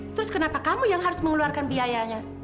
terus kenapa kamu yang harus mengeluarkan biayanya